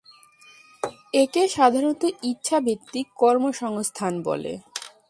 একে সাধারণত ইচ্ছা-ভিত্তিক কর্মসংস্থান বলে।